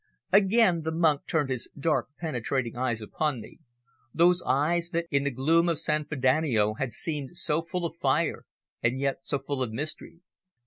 Again the monk turned his dark, penetrating eyes upon me, those eyes that in the gloom of San Frediano had seemed so full of fire and yet so full of mystery.